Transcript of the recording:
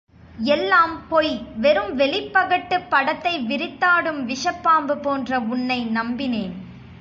எல்லாம் பொய் வெறும் வெளிப்பகட்டு படத்தை விரித்தாடும் விஷப்பாம்பு போன்ற உன்னை நம்பினேன்.